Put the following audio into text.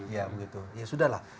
ya sudah lah